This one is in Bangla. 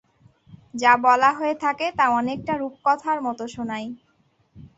যা বলা হয়ে থাকে তা অনেকটা রূপকথার মত শোনায়।